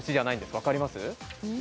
分かります？